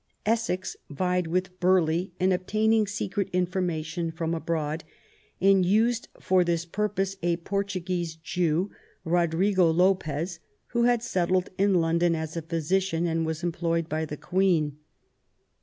Essex vied with Burghley in obtaining secret information from abroad, and used for this purpose a Portuguese Jew, Rodrigo Lopez, who had settled in London as a physician, and was employed by the Queen.